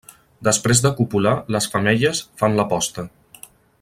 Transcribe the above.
Després de copular, les femelles fan la posta.